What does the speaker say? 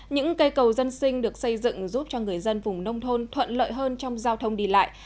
những cây cầu dân sinh được xây dựng giúp cho người dân vùng nông thôn thuận lợi hơn trong giao thông đi lại